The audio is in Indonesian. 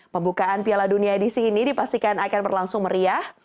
pembukaan piala dunia di sini dipastikan akan berlangsung meriah